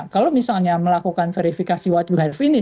kalau misalnya melakukan verifikasi what you health ini